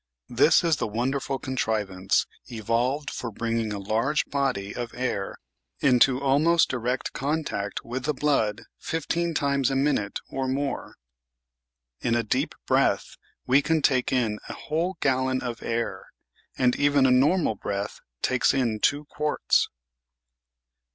This is the wonderful contrivance evolved for bringing a large body of air into almost direct contact with the blood fifteen times a minute or more. In a deep breath we can take in a whole gallon of air, and even a normal breath takes in two quarts.